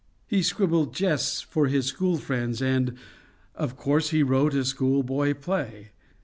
He scribbled jests for his school friends, and, of course, he wrote a school boy play.